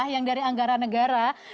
yang dari anggaran negara